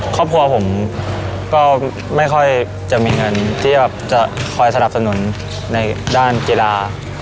ครอบครัวผมก็ไม่ค่อยจะมีเงินที่แบบจะคอยสนับสนุนในด้านกีฬา